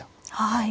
はい。